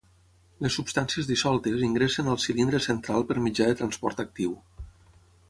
Les substàncies dissoltes ingressen al cilindre central per mitjà de transport actiu.